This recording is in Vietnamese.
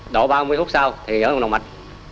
đổ ba mươi phút sau thì ở trong động mạch